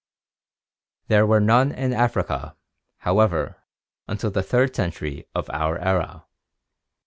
There were none in Africa, however, until the third century of our era.